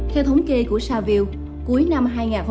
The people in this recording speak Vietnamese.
theo thống kê của saville cuối năm hai nghìn hai mươi hai